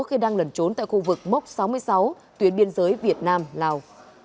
khi đang lẩn trốn tại khu vực mốc sáu mươi sáu tuyến biên giới việt nam lào